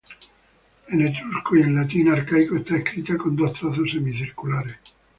En etrusco y en latín arcaico está escrita con dos trazos semicirculares.